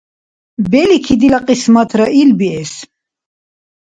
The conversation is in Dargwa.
Белики, дила кьисматра ил биэс…